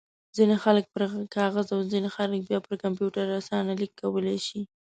ځينې خلک پر کاغذ او ځينې بيا پر کمپيوټر اسانه ليک کولای شي.